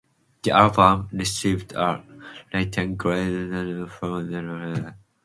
The album received a Latin Grammy nomination for Best Instrumental Album.